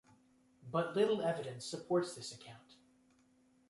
But little evidence supports this account.